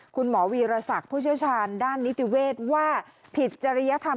คุณหมอวีรศักดิ์ผู้เชี่ยวชาญด้านนิติเวศว่าผิดจริยธรรม